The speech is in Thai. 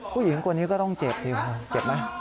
ผู้หญิงคนนี้ก็ต้องเจ็บสิคุณเจ็บไหม